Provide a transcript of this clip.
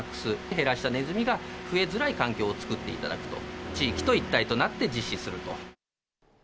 減らしたネズミが増えづらい環境を作っていただくと、地域と一体となって実施すると。